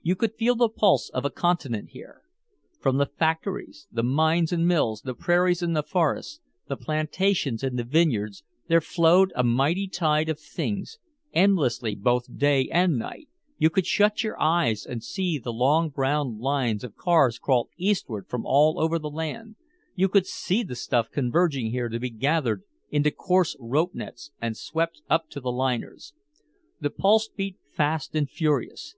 You could feel the pulse of a continent here. From the factories, the mines and mills, the prairies and the forests, the plantations and the vineyards, there flowed a mighty tide of things endlessly, both day and night you could shut your eyes and see the long brown lines of cars crawl eastward from all over the land, you could see the stuff converging here to be gathered into coarse rope nets and swept up to the liners. The pulse beat fast and furious.